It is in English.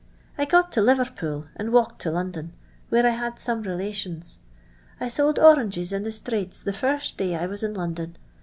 I got to Liverpool, and walked to London, where I had some relations. I sold oranges in the strates the first day I was iu London.